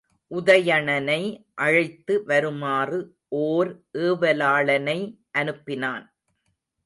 உதயணனை அழைத்து வருமாறு ஓர் ஏவலாளனை அனுப்பினான்.